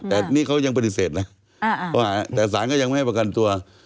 แต่นี่เขายังปฏิเสธนะแต่สารก็ยังไม่ให้ประกันตัว